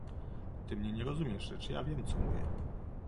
"Ty mnie nie rozumiesz, lecz ja wiem co mówię."